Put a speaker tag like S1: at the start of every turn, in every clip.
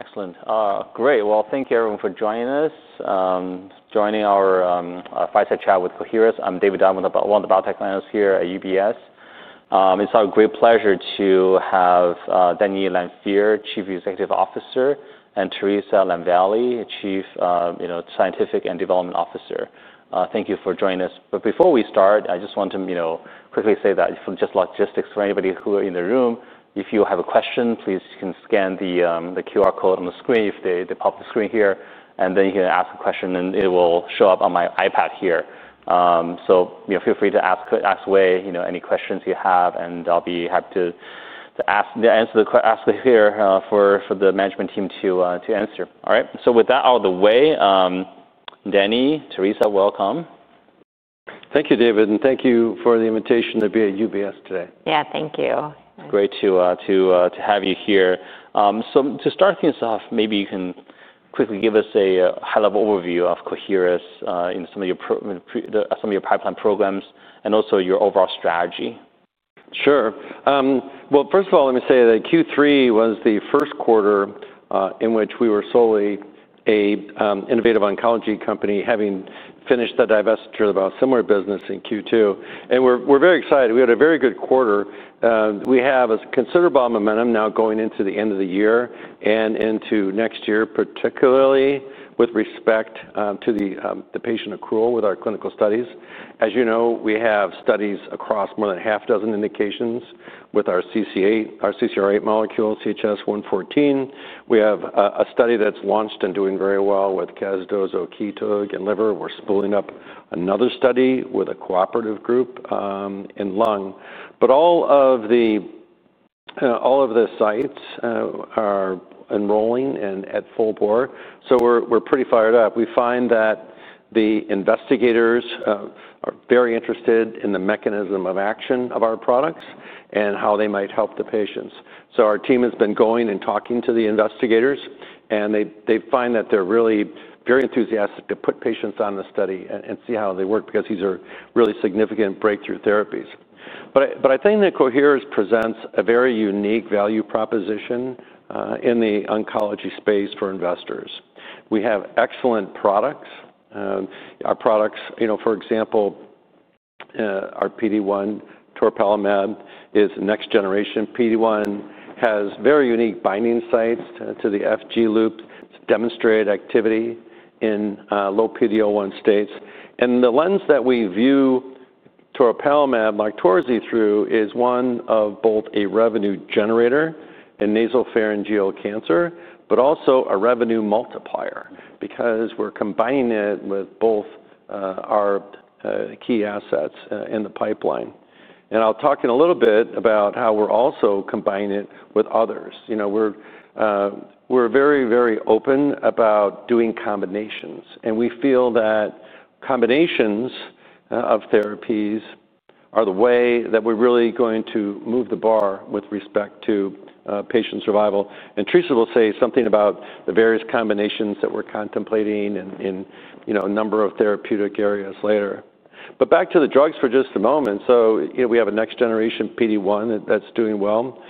S1: Okay. Excellent. Great. Thank you, everyone, for joining us, joining our fireside chat with Coherus. I'm David Allemann, one of the biotech planners here at UBS. It's our great pleasure to have Denny Lanfear, Chief Executive Officer, and Theresa LaVallee, Chief Scientific and Development Officer. Thank you for joining us. Before we start, I just want to, you know, quickly say that for just logistics for anybody who are in the room, if you have a question, please you can scan the QR code on the screen if they pop the screen here, and then you can ask a question, and it will show up on my iPad here. So, you know, feel free to ask away, you know, any questions you have, and I'll be happy to ask the question here for the management team to answer. All right? With that out of the way, Denny, Theresa, welcome.
S2: Thank you, David, and thank you for the invitation to be at UBS today.
S3: Yeah. Thank you.
S1: Great to have you here. To start things off, maybe you can quickly give us a high-level overview of Coherus, some of your pipeline programs and also your overall strategy.
S2: Sure. First of all, let me say that Q3 was the first quarter in which we were solely an innovative oncology company, having finished the divestiture of our similar business in Q2. We are very excited. We had a very good quarter. We have considerable momentum now going into the end of the year and into next year, particularly with respect to the patient accrual with our clinical studies. As you know, we have studies across more than half a dozen indications with our CCR8 molecule, CHS-114. We have a study that is launched and doing very well with Casdozokitug, again, liver. We are spooling up another study with a cooperative group in lung. All of the sites are enrolling and at full bore. We are pretty fired up. We find that the investigators are very interested in the mechanism of action of our products and how they might help the patients. Our team has been going and talking to the investigators, and they find that they're really very enthusiastic to put patients on the study and see how they work because these are really significant breakthrough therapies. I think that Coherus presents a very unique value proposition in the oncology space for investors. We have excellent products. Our products, you know, for example, our PD-1, Toripalimab, is next-generation PD-1, has very unique binding sites to the FG loop, demonstrate activity in low PD-L1 states. The lens that we view Toripalimab, LOQTORZI, through is one of both a revenue generator in nasopharyngeal cancer, but also a revenue multiplier because we're combining it with both our key assets in the pipeline. I'll talk in a little bit about how we're also combining it with others. You know, we're very, very open about doing combinations, and we feel that combinations of therapies are the way that we're really going to move the bar with respect to patient survival. Theresa will say something about the various combinations that we're contemplating in, you know, a number of therapeutic areas later. Back to the drugs for just a moment. You know, we have a next-generation PD-1 that's doing well.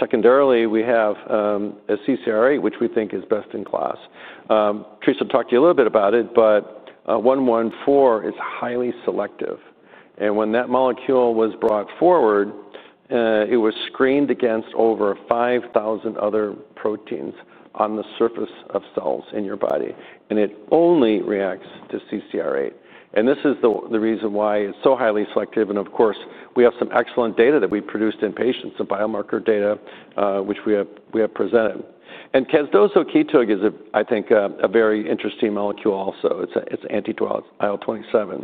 S2: Secondarily, we have a CCR8, which we think is best in class. Theresa talked to you a little bit about it, but 114 is highly selective. When that molecule was brought forward, it was screened against over 5,000 other proteins on the surface of cells in your body, and it only reacts to CCR8. This is the reason why it's so highly selective. Of course, we have some excellent data that we produced in patients, some biomarker data, which we have presented. Casdozokitug is, I think, a very interesting molecule also. It's an anti-IL-27.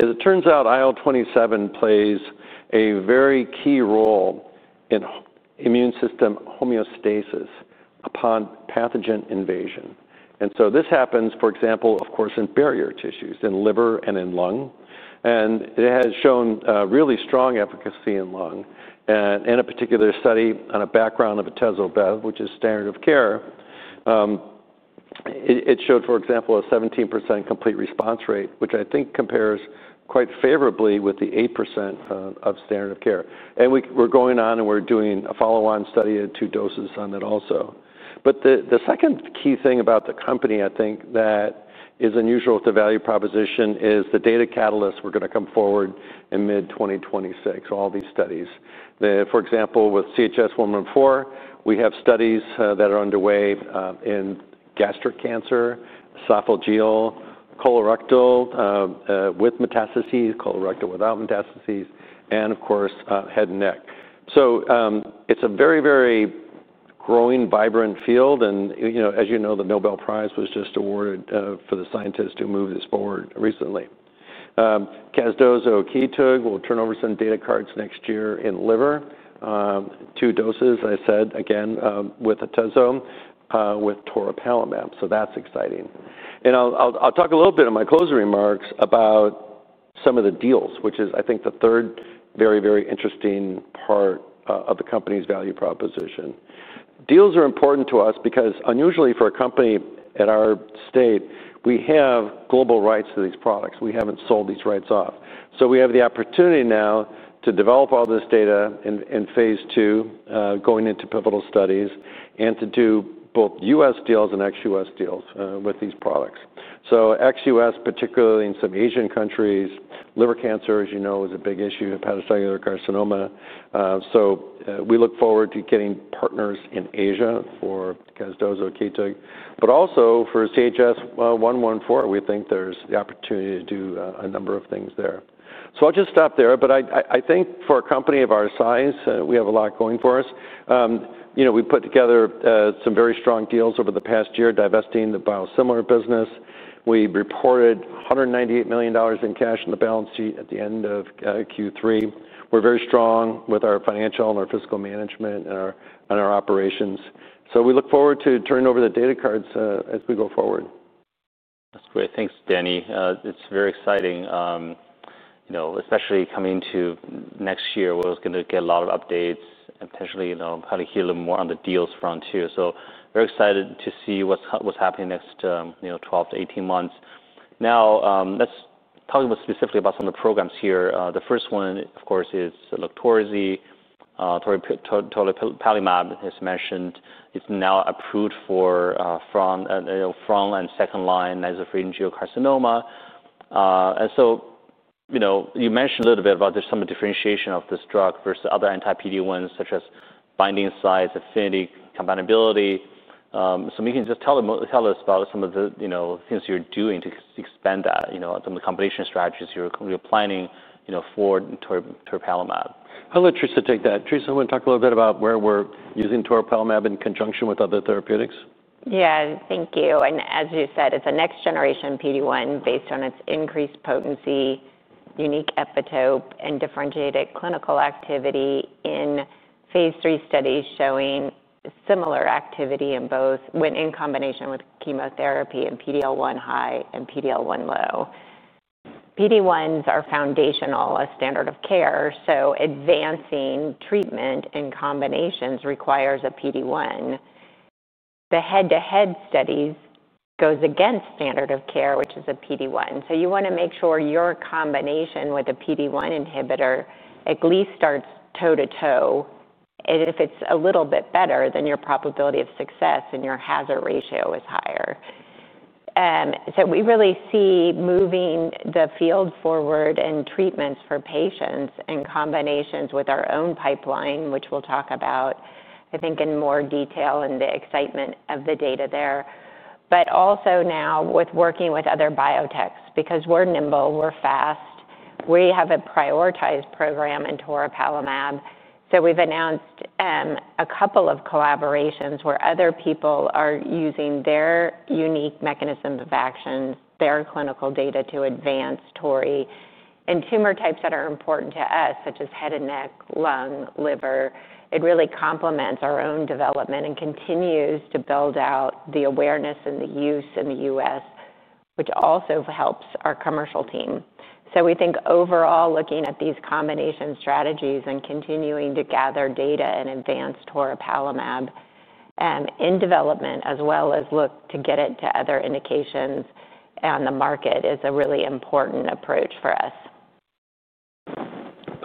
S2: As it turns out, IL-27 plays a very key role in immune system homeostasis upon pathogen invasion. This happens, for example, in barrier tissues in liver and in lung. It has shown really strong efficacy in lung. In a particular study on a background of atezo-bev, which is standard of care, it showed, for example, a 17% complete response rate, which I think compares quite favorably with the 8% of standard of care. We are going on and we're doing a follow-on study at two doses on that also. The second key thing about the company, I think, that is unusual with the value proposition is the data catalyst. We're gonna come forward in mid-2026, all these studies. For example, with CHS-114, we have studies that are underway in gastric cancer, esophageal, colorectal with metastases, colorectal without metastases, and of course, head and neck. It is a very, very growing, vibrant field. You know, as you know, the Nobel Prize was just awarded for the scientists who moved this forward recently. Casdozokitug will turn over some data cards next year in liver, two doses, I said again, with atezo, with Toripalimab. That is exciting. I'll talk a little bit in my closing remarks about some of the deals, which is, I think, the third very, very interesting part of the company's value proposition. Deals are important to us because unusually for a company at our state, we have global rights to these products. We haven't sold these rights off. We have the opportunity now to develop all this data in phase two, going into pivotal studies and to do both U.S. deals and ex-U.S. deals with these products. Ex-U.S., particularly in some Asian countries. Liver cancer, as you know, is a big issue, hepatocellular carcinoma. We look forward to getting partners in Asia for Casdozokitug, but also for CHS-114. We think there's the opportunity to do a number of things there. I'll just stop there. I think for a company of our size, we have a lot going for us. You know, we put together some very strong deals over the past year, divesting the biosimilar business. We reported $198 million in cash on the balance sheet at the end of Q3. We're very strong with our financial and our fiscal management and our operations. We look forward to turning over the data cards, as we go forward.
S1: That's great. Thanks, Denye. It's very exciting. You know, especially coming into next year, we're gonna get a lot of updates and potentially, you know, probably hear a little more on the deals front too. Very excited to see what's happening next, you know, 12-18 months. Now, let's talk specifically about some of the programs here. The first one, of course, is LOQTORZI, Toripalimab, as mentioned. It's now approved for front and, you know, front and second line nasopharyngeal carcinoma. You mentioned a little bit about there's some differentiation of this drug versus other anti-PD-1s such as binding site, affinity, compatibility. If you can just tell us about some of the things you're doing to expand that, you know, some of the combination strategies you're planning, you know, for Toripalimab.
S2: I'll let Theresa take that. Theresa, you wanna talk a little bit about where we're using Toripalimab in conjunction with other therapeutics?
S3: Yeah. Thank you. As you said, it's a next-generation PD-1 based on its increased potency, unique epitope, and differentiated clinical activity in phase three studies showing similar activity in both when in combination with chemotherapy and PD-L1 high and PD-L1 low. PD-1s are foundational, a standard of care. Advancing treatment in combinations requires a PD-1. The head-to-head studies go against standard of care, which is a PD-1. You wanna make sure your combination with a PD-1 inhibitor at least starts toe-to-toe. If it's a little bit better, then your probability of success and your hazard ratio is higher. We really see moving the field forward and treatments for patients in combinations with our own pipeline, which we'll talk about, I think, in more detail and the excitement of the data there. Also now with working with other biotechs because we're nimble, we're fast, we have a prioritized program in Toripalimab. We've announced a couple of collaborations where other people are using their unique mechanisms of action, their clinical data to advance tori in tumor types that are important to us, such as head and neck, lung, liver. It really complements our own development and continues to build out the awareness and the use in the U.S., which also helps our commercial team. We think overall, looking at these combination strategies and continuing to gather data and advance Toripalimab in development as well as look to get it to other indications on the market is a really important approach for us.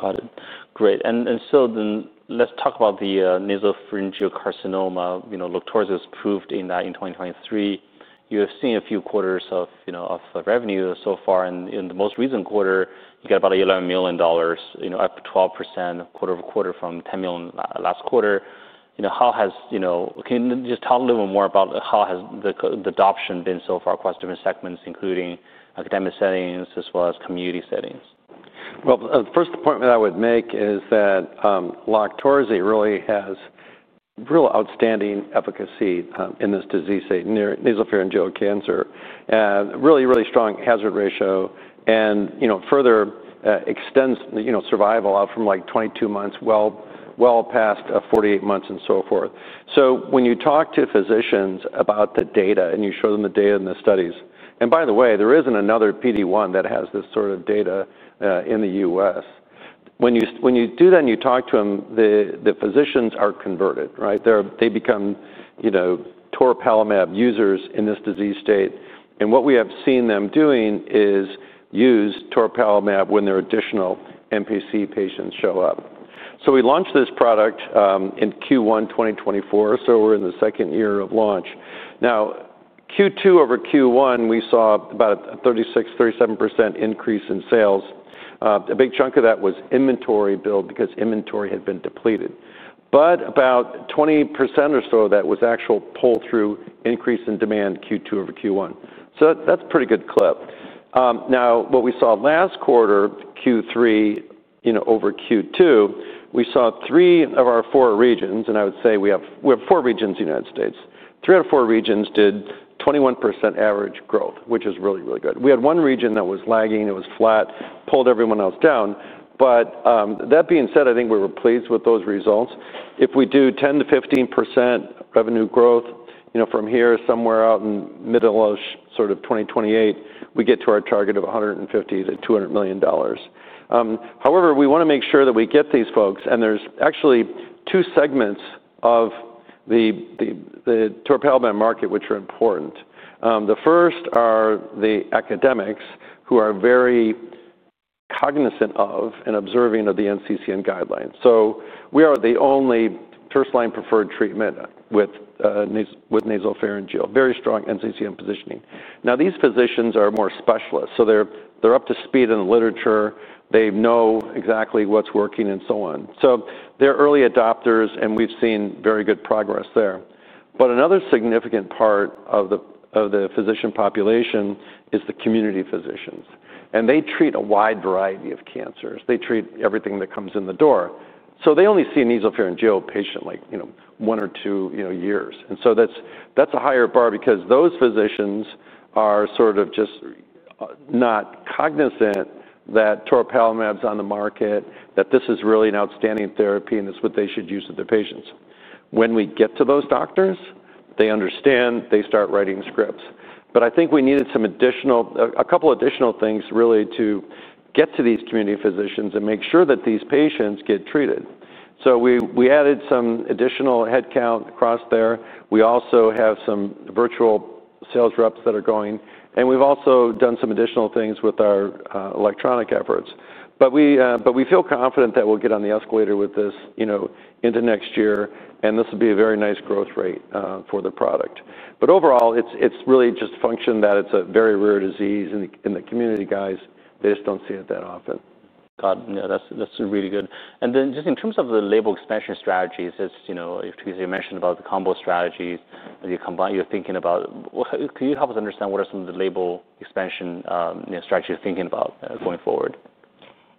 S1: Got it. Great. And, and so then let's talk about the nasopharyngeal carcinoma. You know, LOQTORZI is approved in 2023. You have seen a few quarters of, you know, of revenue so far. And in the most recent quarter, you got about $11 million, you know, up 12% quarter over quarter from $10 million last quarter. You know, how has, you know, can you just talk a little bit more about how has the, the adoption been so far across different segments, including academic settings as well as community settings?
S2: The first appointment I would make is that, LOQTORZI really has real outstanding efficacy, in this disease state, near nasopharyngeal cancer, really, really strong hazard ratio and, you know, further, extends, you know, survival out from like 22 months, well, well past, 48 months and so forth. When you talk to physicians about the data and you show them the data and the studies, and by the way, there isn't another PD-1 that has this sort of data, in the U.S. When you, when you do that and you talk to them, the, the physicians are converted, right? They're, they become, you know, Toripalimab users in this disease state. What we have seen them doing is use Toripalimab when their additional NPC patients show up. We launched this product, in Q1 2024. We're in the second year of launch. Now, Q2 over Q1, we saw about a 36%-37% increase in sales. A big chunk of that was inventory build because inventory had been depleted. But about 20% or so of that was actual pull-through increase in demand Q2 over Q1. So that's a pretty good clip. Now what we saw last quarter, Q3, you know, over Q2, we saw three of our four regions, and I would say we have four regions in the United States. Three out of four regions did 21% average growth, which is really, really good. We had one region that was lagging. It was flat, pulled everyone else down. But, that being said, I think we were pleased with those results. If we do 10%-15% revenue growth, you know, from here somewhere out in the middle of sort of 2028, we get to our target of $150 million-$200 million. However, we wanna make sure that we get these folks. And there's actually two segments of the Toripalimab market, which are important. The first are the academics who are very cognizant of and observing of the NCCN guidelines. So we are the only first-line preferred treatment with Nasopharyngeal, very strong NCCN positioning. Now, these physicians are more specialists. So they're, they're up to speed in the literature. They know exactly what's working and so on. So they're early adopters, and we've seen very good progress there. But another significant part of the physician population is the community physicians. And they treat a wide variety of cancers. They treat everything that comes in the door. They only see a nasopharyngeal patient like, you know, one or two, you know, years. That is a higher bar because those physicians are sort of just not cognizant that Toripalimab is on the market, that this is really an outstanding therapy and it is what they should use with their patients. When we get to those doctors, they understand, they start writing scripts. I think we needed some additional, a couple additional things really to get to these community physicians and make sure that these patients get treated. We added some additional headcount across there. We also have some virtual sales reps that are going, and we have also done some additional things with our electronic efforts. We feel confident that we'll get on the escalator with this, you know, into next year, and this will be a very nice growth rate for the product. Overall, it's really just a function that it's a very rare disease in the community guys. They just don't see it that often.
S1: Got it. Yeah. That's really good. And then just in terms of the label expansion strategies, as you know, Theresa, you mentioned about the combo strategies that you combine, you're thinking about, what can you help us understand what are some of the label expansion, you know, strategies you're thinking about going forward?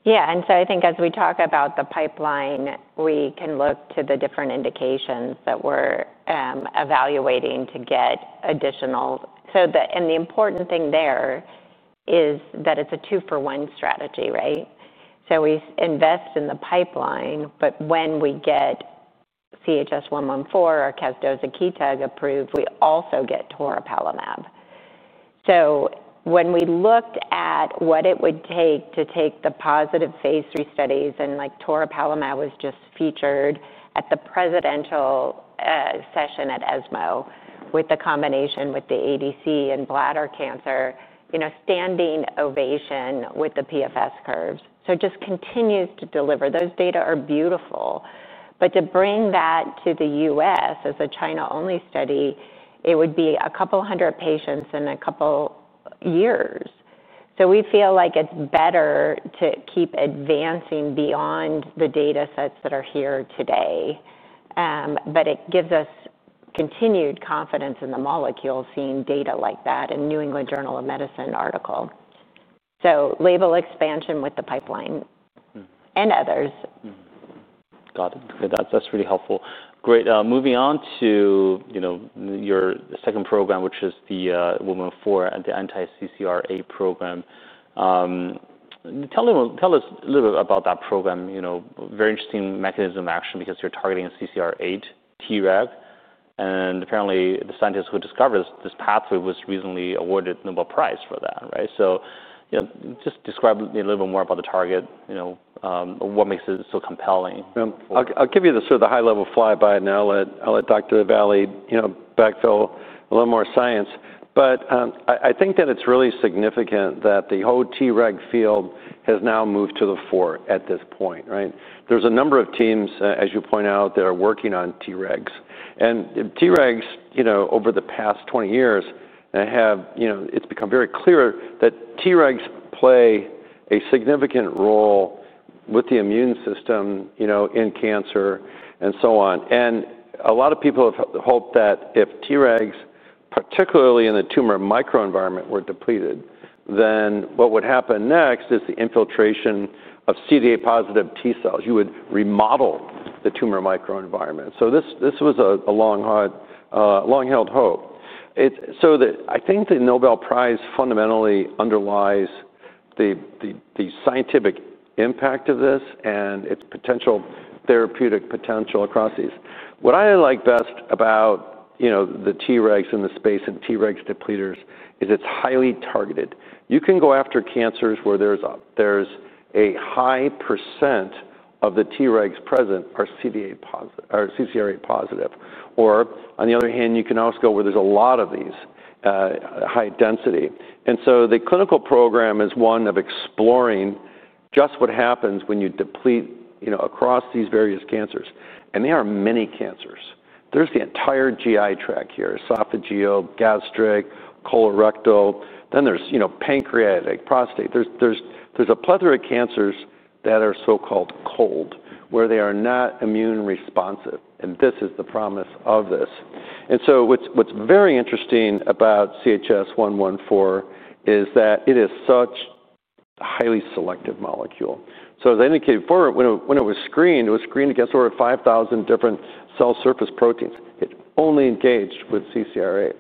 S3: Yeah. I think as we talk about the pipeline, we can look to the different indications that we're evaluating to get additional. The important thing there is that it's a two-for-one strategy, right? We invest in the pipeline, but when we get CHS-114 or Casdozokitug approved, we also get Toripalimab. When we looked at what it would take to take the positive phase three studies and like Toripalimab was just featured at the presidential session at ESMO with the combination with the ADC in bladder cancer, you know, standing ovation with the PFS curves. It just continues to deliver. Those data are beautiful. To bring that to the U.S. as a China-only study, it would be a couple hundred patients in a couple years. We feel like it's better to keep advancing beyond the data sets that are here today. It gives us continued confidence in the molecule seeing data like that in New England Journal of Medicine article. Label expansion with the pipeline and others.
S1: Got it. Okay. That's, that's really helpful. Great. Moving on to, you know, your second program, which is the 114 and the anti-CCR8 program. Tell me, tell us a little bit about that program. You know, very interesting mechanism of action because you're targeting CCR8 Treg. And apparently the scientists who discovered this, this pathway was recently awarded Nobel Prize for that, right? So, you know, just describe a little bit more about the target, you know, what makes it so compelling?
S2: I'll give you the sort of the high-level flyby now. I'll let Dr. LaVallee, you know, backfill a little more science. I think that it's really significant that the whole Treg field has now moved to the fore at this point, right? There's a number of teams, as you point out, that are working on Tregs. And Tregs, you know, over the past 20 years, they have, you know, it's become very clear that Tregs play a significant role with the immune system, you know, in cancer and so on. A lot of people have hoped that if Tregs, particularly in the tumor microenvironment, were depleted, then what would happen next is the infiltration of CD8 positive T cells. You would remodel the tumor microenvironment. This was a long, long-held hope. I think the Nobel Prize fundamentally underlies the scientific impact of this and its potential therapeutic potential across these. What I like best about, you know, the Tregs in the space and Treg depleters is it's highly targeted. You can go after cancers where there's a high percent of the Tregs present are CD8 positive or CCR8 positive. You can also go where there's a lot of these, high density. The clinical program is one of exploring just what happens when you deplete, you know, across these various cancers. There are many cancers. There's the entire GI tract here, esophageal, gastric, colorectal. There's pancreatic, prostate. There's a plethora of cancers that are so-called cold where they are not immune responsive. This is the promise of this. What is very interesting about CHS-114 is that it is such a highly selective molecule. As I indicated before, when it was screened, it was screened against over 5,000 different cell surface proteins. It only engaged with CCR8.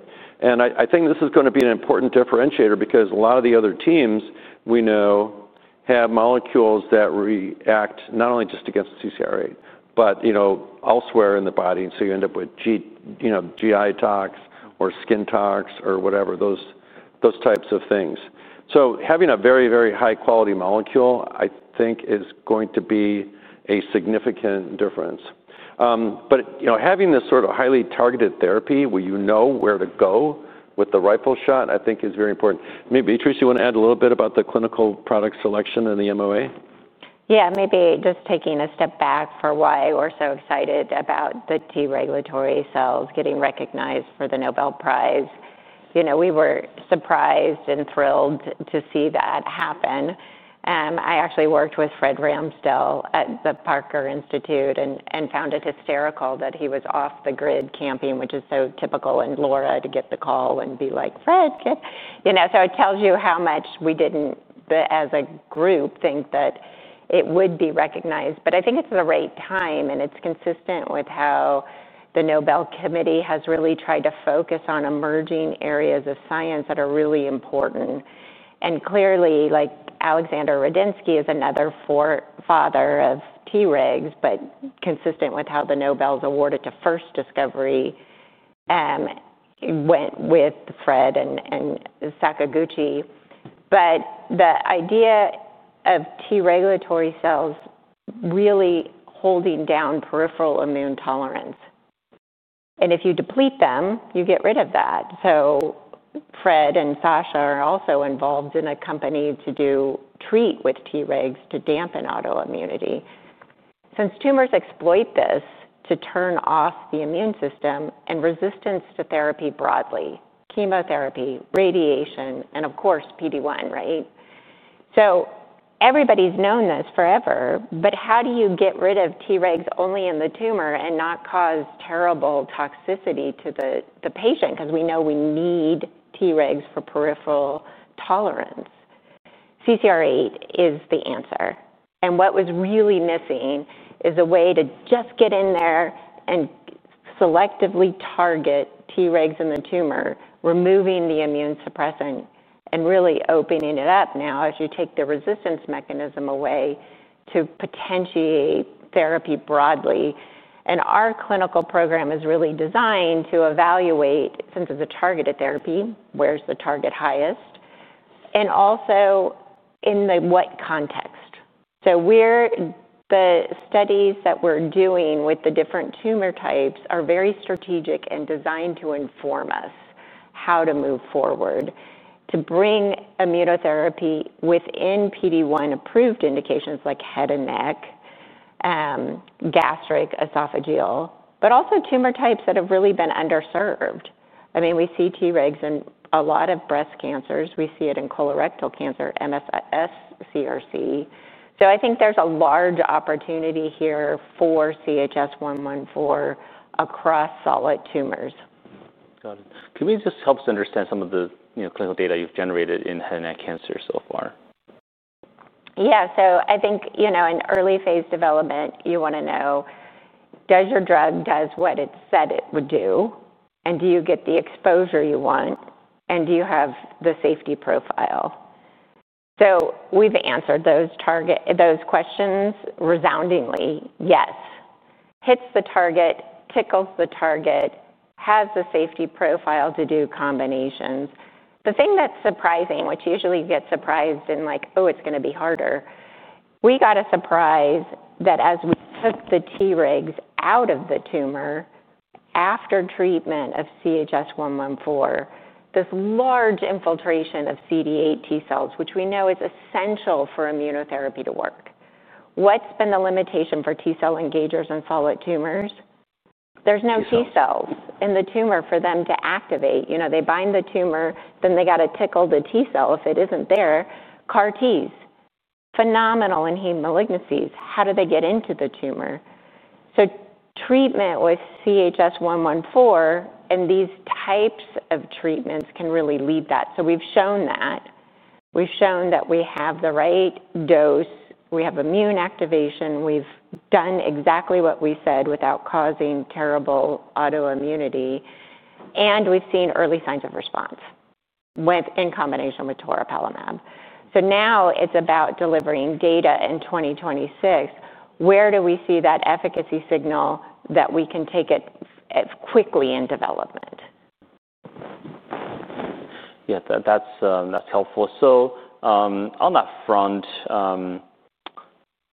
S2: I think this is going to be an important differentiator because a lot of the other teams we know have molecules that react not only just against CCR8, but, you know, elsewhere in the body. You end up with, you know, GI tox or skin tox or whatever, those types of things. Having a very, very high-quality molecule, I think, is going to be a significant difference. You know, having this sort of highly targeted therapy where you know where to go with the rifle shot, I think is very important. Maybe Theresa, you wanna add a little bit about the clinical product selection and the MOA?
S3: Yeah. Maybe just taking a step back for why we're so excited about the T regulatory cells getting recognized for the Nobel Prize. You know, we were surprised and thrilled to see that happen. I actually worked with Fred Ramstill at the Parker Institute and found it hysterical that he was off the grid camping, which is so typical in Laura to get the call and be like, "Fred, get..." You know, so it tells you how much we didn't, as a group, think that it would be recognized. I think it's the right time and it's consistent with how the Nobel Committee has really tried to focus on emerging areas of science that are really important. Clearly, like Alexander Rudensky is another forefather of Tregs, but consistent with how the Nobel's awarded to first discovery, went with Fred and Sakaguchi. The idea of T regulatory cells really holding down peripheral immune tolerance. If you deplete them, you get rid of that. Fred and Sasha are also involved in a company to treat with Tregs to dampen autoimmunity since tumors exploit this to turn off the immune system and resistance to therapy broadly, chemotherapy, radiation, and of course, PD-1, right? Everybody's known this forever, but how do you get rid of Tregs only in the tumor and not cause terrible toxicity to the patient? 'Cause we know we need Tregs for peripheral tolerance. CCR8 is the answer. What was really missing is a way to just get in there and selectively target Tregs in the tumor, removing the immune suppressant and really opening it up now as you take the resistance mechanism away to potentiate therapy broadly. Our clinical program is really designed to evaluate, since it's a targeted therapy, where's the target highest? Also, in what context? The studies that we're doing with the different tumor types are very strategic and designed to inform us how to move forward to bring immunotherapy within PD-1 approved indications like head and neck, gastric, esophageal, but also tumor types that have really been underserved. I mean, we see Tregs in a lot of breast cancers. We see it in colorectal cancer, MSS CRC. I think there's a large opportunity here for CHS-114 across solid tumors.
S1: Got it. Can you just help us understand some of the, you know, clinical data you've generated in head and neck cancer so far?
S3: Yeah. I think, you know, in early phase development, you wanna know, does your drug do what it said it would do? And do you get the exposure you want? And do you have the safety profile? We've answered those questions resoundingly. Yes. Hits the target, tickles the target, has the safety profile to do combinations. The thing that's surprising, which usually you get surprised in like, oh, it's gonna be harder. We got a surprise that as we took the Tregs out of the tumor after treatment of CHS-114, this large infiltration of CD8 T cells, which we know is essential for immunotherapy to work. What's been the limitation for T cell engagers in solid tumors? There's no T cells in the tumor for them to activate. You know, they bind the tumor, then they gotta tickle the T cell. If it isn't there, CAR-Ts, phenomenal in hem malignancies. How do they get into the tumor? Treatment with CHS-114 and these types of treatments can really lead that. We've shown that. We've shown that we have the right dose. We have immune activation. We've done exactly what we said without causing terrible autoimmunity. We've seen early signs of response with, in combination with Toripalimab. Now it's about delivering data in 2026. Where do we see that efficacy signal that we can take it quickly in development?
S1: Yeah. That's helpful. On that front,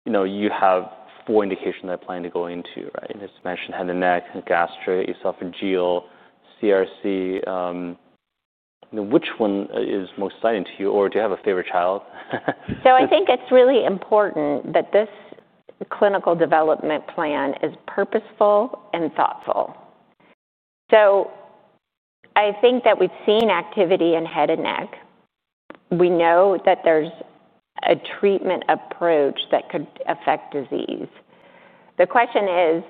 S1: you know, you have four indications that plan to go into, right? As you mentioned, head and neck, gastric, esophageal, CRC. You know, which one is most exciting to you? Or do you have a favorite child?
S3: I think it's really important that this clinical development plan is purposeful and thoughtful. I think that we've seen activity in head and neck. We know that there's a treatment approach that could affect disease. The question is,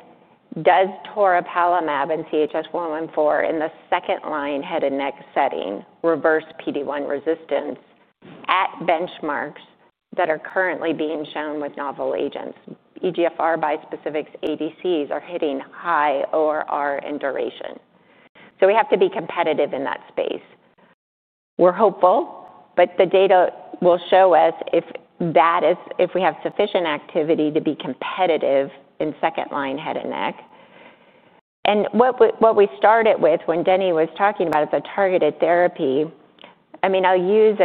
S3: does Toripalimab and CHS-114 in the second line head and neck setting reverse PD-1 resistance at benchmarks that are currently being shown with novel agents? EGFR, bispecifics, ADCs are hitting high ORR and duration. We have to be competitive in that space. We're hopeful, but the data will show us if we have sufficient activity to be competitive in second line head and neck. What we started with when Denny was talking about the targeted therapy, I mean, I'll use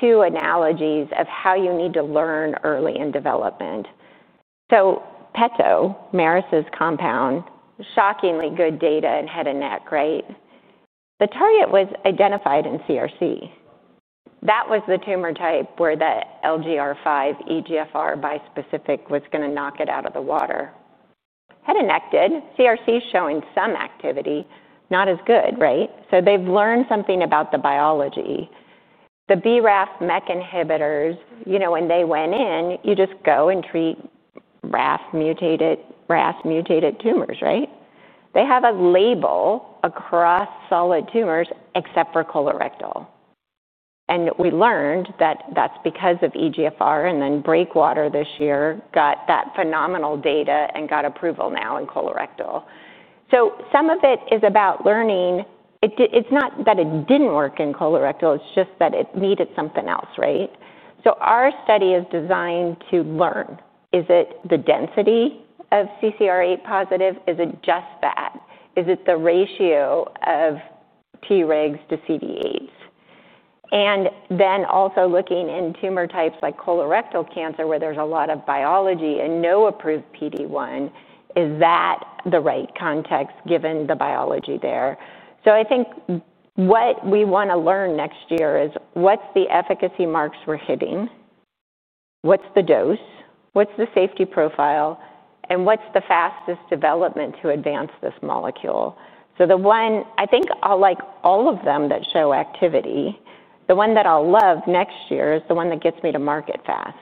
S3: two analogies of how you need to learn early in development. PETO, Merus's compound, shockingly good data in head and neck, right? The target was identified in CRC. That was the tumor type where the LGR5, EGFR, bispecific was gonna knock it out of the water. Head and neck did. CRC's showing some activity, not as good, right? They've learned something about the biology. The BRAF MEK inhibitors, you know, when they went in, you just go and treat RAF mutated, RAS mutated tumors, right? They have a label across solid tumors except for colorectal. We learned that that's because of EGFR. Breakwater this year got that phenomenal data and got approval now in colorectal. Some of it is about learning. It did, it's not that it didn't work in colorectal. It's just that it needed something else, right? Our study is designed to learn. Is it the density of CCR8 positive? Is it just that? Is it the ratio of Tregs to CD8s? Also, looking in tumor types like colorectal cancer where there's a lot of biology and no approved PD-1, is that the right context given the biology there? I think what we want to learn next year is what are the efficacy marks we're hitting, what's the dose, what's the safety profile, and what's the fastest development to advance this molecule. The one, I think I will like all of them that show activity. The one that I will love next year is the one that gets me to market fast.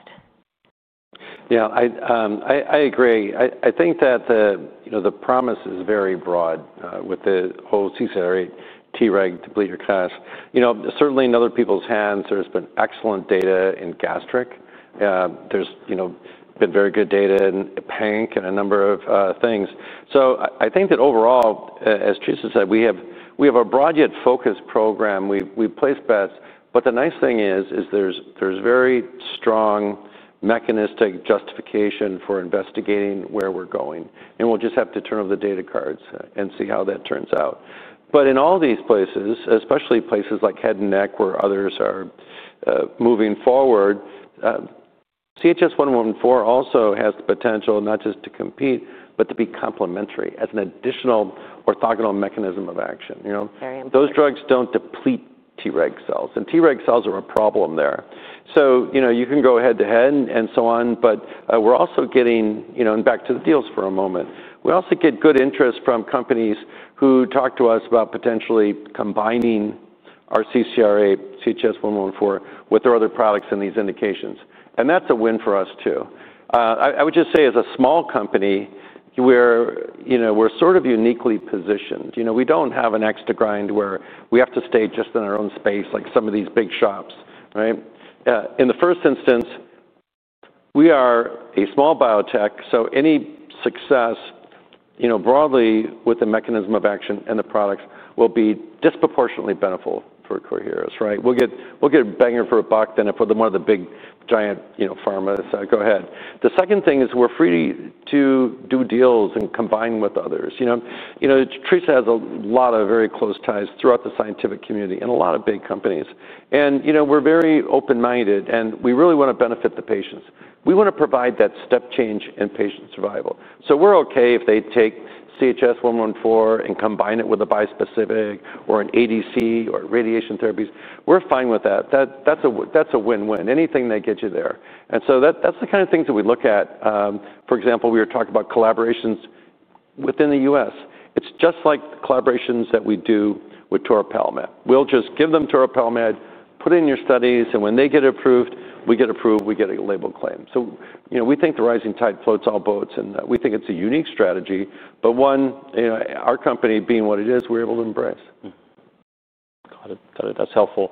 S2: Yeah. I agree. I think that the, you know, the promise is very broad, with the whole CCR8, Treg, depleter class. You know, certainly in other people's hands, there's been excellent data in gastric. There's, you know, been very good data in PANC and a number of things. So I think that overall, as Theresa said, we have a broad yet focused program. We've placed bets. The nice thing is, there's very strong mechanistic justification for investigating where we're going. We'll just have to turn over the data cards and see how that turns out. In all these places, especially places like head and neck where others are moving forward, CHS-114 also has the potential not just to compete, but to be complimentary as an additional orthogonal mechanism of action. You know.
S3: Very important.
S2: Those drugs do not deplete Treg cells. And Treg cells are a problem there. You know, you can go head to head and so on. We are also getting, you know, and back to the deals for a moment, we also get good interest from companies who talk to us about potentially combining our CCR8, CHS-114 with their other products in these indications. That is a win for us too. I would just say as a small company, we are, you know, we are sort of uniquely positioned. You know, we do not have an axe to grind where we have to stay just in our own space like some of these big shops, right? In the first instance, we are a small biotech. Any success, you know, broadly with the mechanism of action and the products will be disproportionately beneficial for Coherus, right? We'll get, we'll get banger for a buck than if one of the big giant, you know, pharmas. Go ahead. The second thing is we're free to do deals and combine with others. You know, you know, Theresa has a lot of very close ties throughout the scientific community and a lot of big companies. And, you know, we're very open-minded and we really wanna benefit the patients. We wanna provide that step change in patient survival. We're okay if they take CHS-114 and combine it with a bispecific or an ADC or radiation therapies. We're fine with that. That, that's a, that's a win-win. Anything that gets you there. And so that, that's the kind of things that we look at. For example, we were talking about collaborations within the United States. It's just like the collaborations that we do with Toripalimab. We'll just give them Toripalimab, put it in your studies, and when they get approved, we get approved, we get a label claim. So, you know, we think the rising tide floats all boats, and we think it's a unique strategy. But one, you know, our company being what it is, we're able to embrace.
S1: Got it. Got it. That's helpful.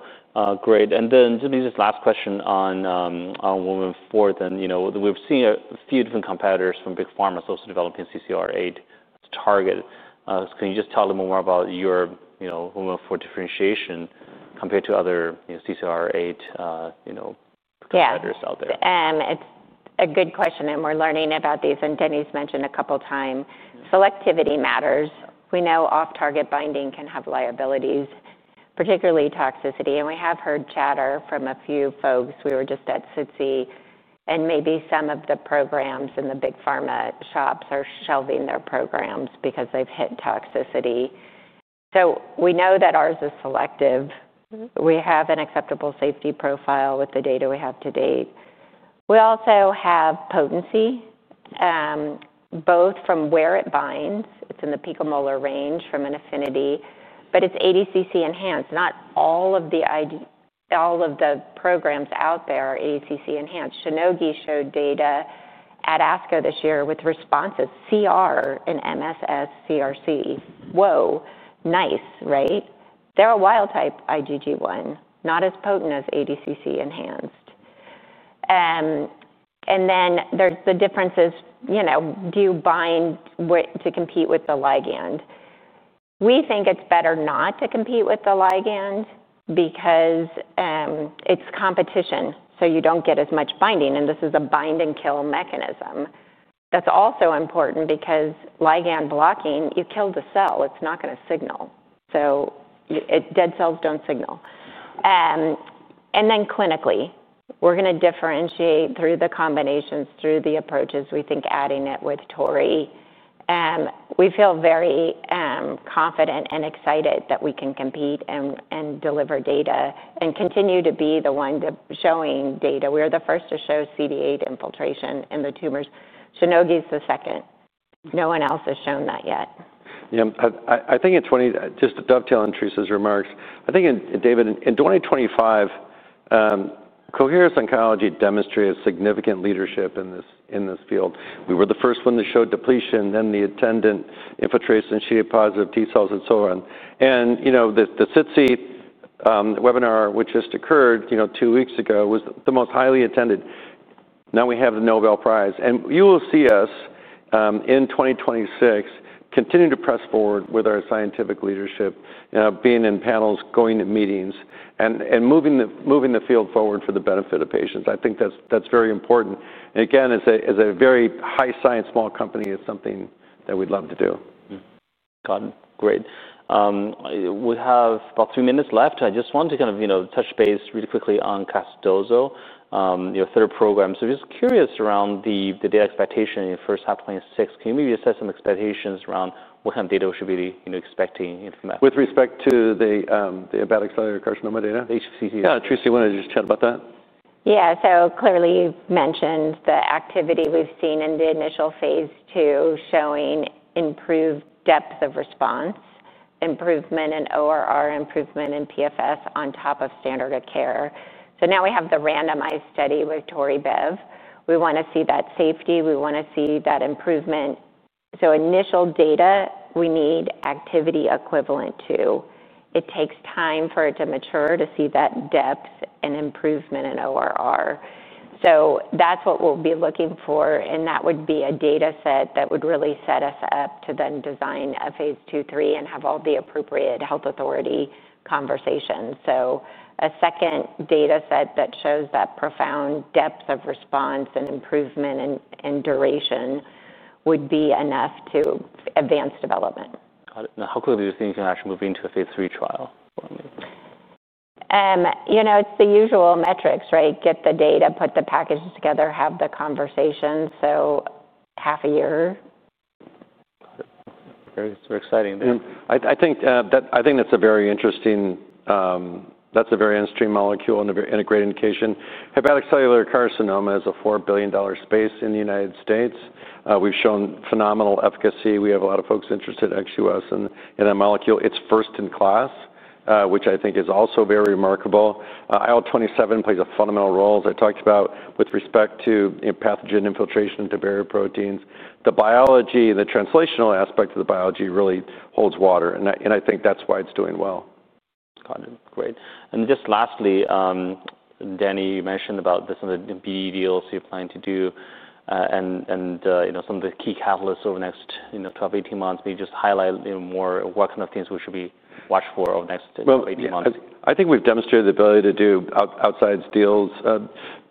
S1: Great. And then just this last question on, on 114. And, you know, we've seen a few different competitors from big pharma also developing CCR8 target. Can you just tell them more about your, you know, 114 differentiation compared to other, you know, CCR8, you know, competitors out there?
S3: Yeah. It's a good question. We're learning about these, and Denny's mentioned a couple of times. Selectivity matters. We know off-target binding can have liabilities, particularly toxicity. We have heard chatter from a few folks. We were just at SITC, and maybe some of the programs in the big pharma shops are shelving their programs because they've hit toxicity. We know that ours is selective. We have an acceptable safety profile with the data we have to date. We also have potency, both from where it binds. It's in the picomolar range from an affinity, but it's ADCC enhanced. Not all of the programs out there are ADCC enhanced. Shionogi showed data at ASCO this year with responses, CR and MSS CRC. Whoa. Nice, right? They're a wild type IgG1, not as potent as ADCC enhanced. and then there's the differences, you know, do you bind to compete with the ligand? We think it's better not to compete with the ligand because, it's competition. So you don't get as much binding. And this is a bind and kill mechanism. That's also important because ligand blocking, you kill the cell. It's not gonna signal. So dead cells don't signal. and then clinically, we're gonna differentiate through the combinations, through the approaches. We think adding it with Tori, we feel very, confident and excited that we can compete and, and deliver data and continue to be the one showing data. We are the first to show CD8 infiltration in the tumors. Shionogi's the second. No one else has shown that yet.
S2: Yeah. I think in 2020, just to dovetail on Theresa's remarks, I think in, David, in 2025, Coherus Oncology demonstrated significant leadership in this field. We were the first one that showed depletion, then the attendant infiltration, CD8 positive T cells, and so on. You know, the SITC webinar, which just occurred two weeks ago, was the most highly attended. Now we have the Nobel Prize. You will see us, in 2026, continue to press forward with our scientific leadership, being in panels, going to meetings, and moving the field forward for the benefit of patients. I think that's very important. Again, as a very high science small company, it's something that we'd love to do.
S1: Got it. Great. We have about three minutes left. I just wanted to kind of, you know, touch base really quickly on Casdozokitug, your third program. So I'm just curious around the data expectation in first half 2026. Can you maybe assess some expectations around what kind of data we should be, you know, expecting?
S2: With respect to the hepatic cellular carcinoma data?
S1: Yeah.
S2: Theresa, you wanna just chat about that?
S3: Yeah. So clearly you've mentioned the activity we've seen in the initial phase two showing improved depth of response, improvement in ORR, improvement in PFS on top of standard of care. Now we have the randomized study with Tori Bev. We wanna see that safety. We wanna see that improvement. Initial data, we need activity equivalent to. It takes time for it to mature to see that depth and improvement in ORR. That's what we'll be looking for. That would be a dataset that would really set us up to then design a phase two, three, and have all the appropriate health authority conversations. A second dataset that shows that profound depth of response and improvement and duration would be enough to advance development.
S1: Got it. Now, how quickly do you think you can actually move into a phase three trial?
S3: You know, it's the usual metrics, right? Get the data, put the packages together, have the conversation. So half a year.
S1: Got it. Very, very exciting there.
S2: I think that's a very interesting molecule and a very integrated indication. Hepatocellular carcinoma is a $4 billion space in the United States. We've shown phenomenal efficacy. We have a lot of folks interested actually with us in that molecule. It's first in class, which I think is also very remarkable. IL-27 plays a fundamental role, as I talked about, with respect to, you know, pathogen infiltration into barrier proteins. The biology, the translational aspect of the biology really holds water. I think that's why it's doing well.
S1: Got it. Great. And just lastly, Denny, you mentioned about some of the BD deals you're planning to do, and, you know, some of the key catalysts over the next, you know, 12, 18 months. Maybe just highlight, you know, more what kind of things we should be watching for over the next 18 months.
S2: I think we've demonstrated the ability to do outside deals,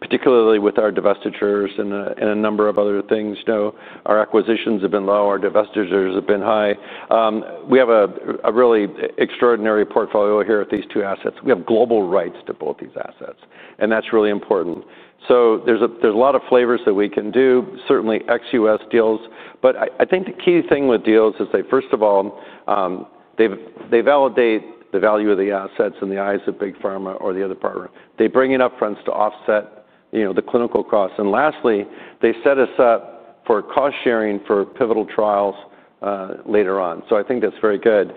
S2: particularly with our divestitures and a number of other things. You know, our acquisitions have been low. Our divestitures have been high. We have a really extraordinary portfolio here at these two assets. We have global rights to both these assets. That is really important. There are a lot of flavors that we can do, certainly XUS deals. I think the key thing with deals is they, first of all, validate the value of the assets in the eyes of big pharma or the other partner. They bring in upfronts to offset, you know, the clinical costs. Lastly, they set us up for cost sharing for pivotal trials later on. I think that is very good.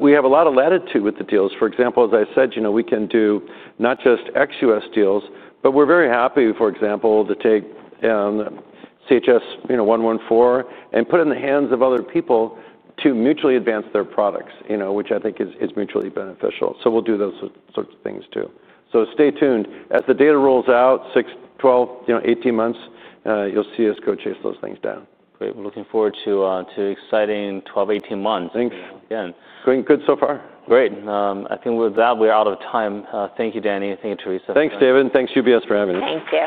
S2: We have a lot of latitude with the deals. For example, as I said, you know, we can do not just XU.S. deals, but we're very happy, for example, to take CHS-114 and put it in the hands of other people to mutually advance their products, you know, which I think is mutually beneficial. We'll do those sorts of things too. Stay tuned. As the data rolls out, six, 12, you know, 18 months, you'll see us go chase those things down.
S1: Great. We're looking forward to exciting 12-18 months.
S2: Thanks.
S1: Yeah.
S2: Great. Good so far.
S1: Great. I think with that, we're out of time. Thank you, Denny. Thank you, Theresa.
S2: Thanks, David. Thanks UBS for having us.
S3: Thank you.